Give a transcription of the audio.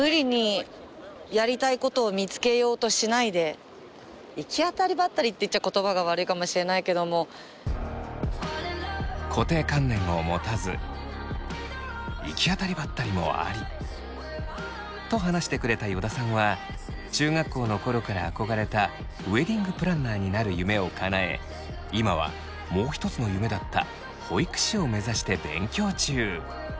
これって行き当たりばったりって言ったら言葉が悪いかもしれないけども。と話してくれた依田さんは中学校の頃から憧れたウエディング・プランナーになる夢をかなえ今はもう一つの夢だった保育士を目指して勉強中。